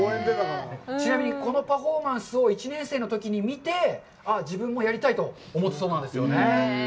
ちなみに、このパフォーマンスを１年生のときに見て、ああ自分もやりたいと思ったそうなんですよね。